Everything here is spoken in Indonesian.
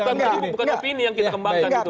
bukan opini yang kita kembangkan